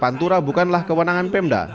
pantura bukanlah kewenangan pemda